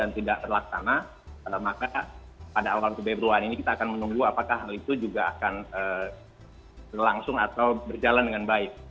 tidak terlaksana maka pada awal keberuan ini kita akan menunggu apakah hal itu juga akan berlangsung atau berjalan dengan baik